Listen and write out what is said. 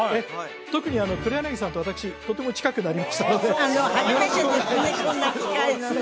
特に黒柳さんと私とても近くなりましたので初めてですね